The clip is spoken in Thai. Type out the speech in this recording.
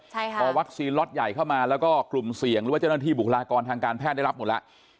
ใช่ค่ะพอวัคซีนล็อตใหญ่เข้ามาแล้วก็กลุ่มเสี่ยงหรือว่าเจ้าหน้าที่บุคลากรทางการแพทย์ได้รับหมดแล้ว